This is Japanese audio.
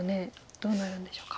どうなるんでしょうか。